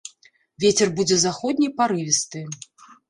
Вецер будзе заходні, парывісты.